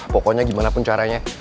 pokoknya gimana pun caranya